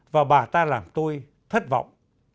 và bà ta làm tôi thất vọng